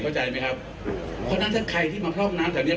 เข้าใจไหมครับเพราะฉะนั้นถ้าใครที่มาพร่องน้ำแถวเนี้ย